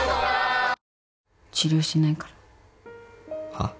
はっ？